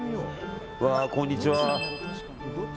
こんにちは。